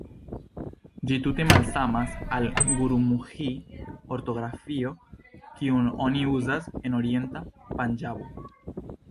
Ĝi tute malsamas al gurumuĥi-ortografio, kiun oni uzas en orienta Panĝabo.